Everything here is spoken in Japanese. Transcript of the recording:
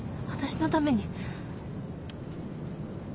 私のために？